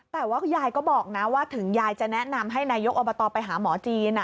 แต่ว่าคุณยายก็บอกนะว่าถึงยายจะแนะนำให้นายกอบตไปหาหมอจีน